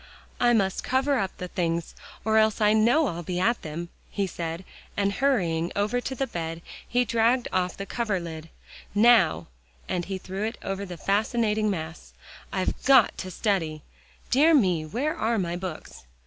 "I must cover up the things, or else I know I'll be at them," he said, and hurrying over to the bed, he dragged off the cover lid. "Now," and he threw it over the fascinating mass, "I've GOT to study. Dear me, where are my books?"